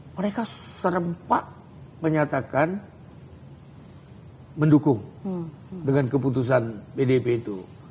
mereka serempak menyatakan mendukung dengan keputusan pdp itu